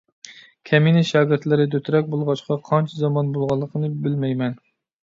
كەمىنە شاگىرتلىرى دۆترەك بولغاچقا، قانچە زامان بولغانلىقىنى بىلمەيمەن.